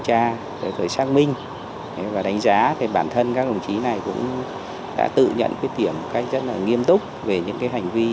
cái rất là nghiêm túc về những cái hành vi